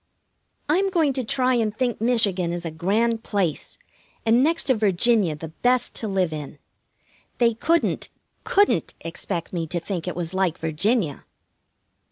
I'm going to try and think Michigan is a grand place, and next to Virginia the best to live in. They couldn't, couldn't expect me to think it was like Virginia!